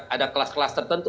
ada kelas kelas tertentu